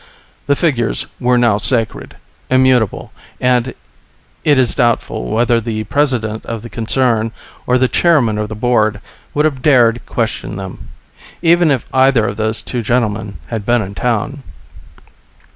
The figures were now sacred; immutable; and it is doubtful whether the President of the concern or the Chairman of the Board would have dared question them even if either of those two gentlemen had been in town.